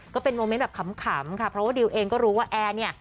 ก็เป็นโมเมนต์แบบขำค่ะเพราะว่าดิวเองก็รู้ว่าแอร์เนี่ย